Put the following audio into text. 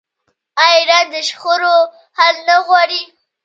آیا ایران د شخړو حل نه غواړي؟